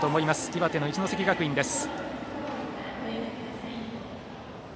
岩手の一関学院です。